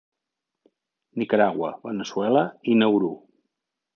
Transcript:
Nicaragua, Veneçuela i Nauru.